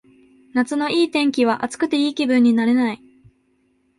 夏のいい天気は暑くていい気分になれない